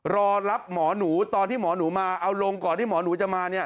รอรับหมอหนูตอนที่หมอหนูมาเอาลงก่อนที่หมอหนูจะมาเนี่ย